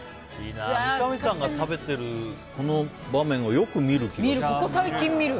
三上さんが食べてる場面をよく見る気がする。